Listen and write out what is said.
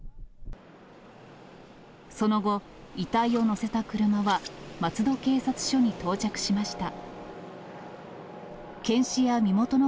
その後、遺体を乗せた車は、松戸警察署に到着しました。